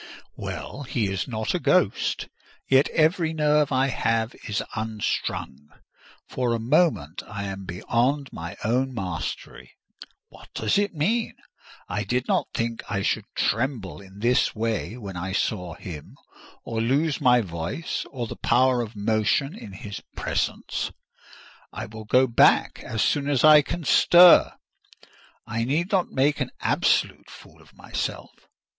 Well, he is not a ghost; yet every nerve I have is unstrung: for a moment I am beyond my own mastery. What does it mean? I did not think I should tremble in this way when I saw him, or lose my voice or the power of motion in his presence. I will go back as soon as I can stir: I need not make an absolute fool of myself.